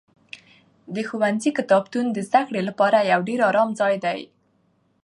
د ښوونځي کتابتون د زده کړې لپاره یو ډېر ارام ځای دی.